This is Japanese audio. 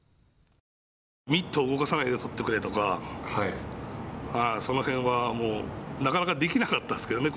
ミットを動かさないでやってくれとかその辺はもうなかなかできなかったですけどね。